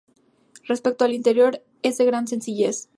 Respecto al interior, es de gran sencillez.